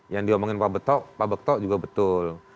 yang diomongin pak bekto pak bekto juga betul